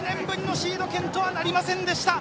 そして８年ぶりのシード権とはなりませんでした。